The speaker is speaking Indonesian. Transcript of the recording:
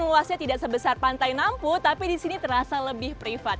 luasnya tidak sebesar pantai nampu tapi di sini terasa lebih privat